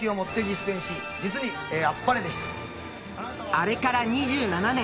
［あれから２７年。